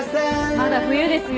まだ冬ですよ。